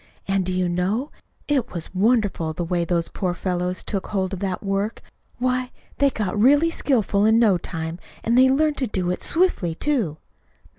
And, do you know? it was wonderful, the way those poor fellows took hold of that work! Why, they got really skillful in no time, and they learned to do it swiftly, too."